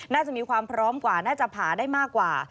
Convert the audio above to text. น่าจะมีความพร้อมกว่าน่าจะผ่าได้มากกว่า